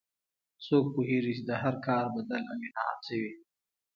څوک پوهیږي چې د هر کار بدل او انعام څه وي